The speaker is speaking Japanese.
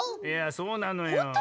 いやそうなのよ。